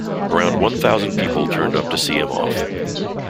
Around one thousand people turned up to see him off.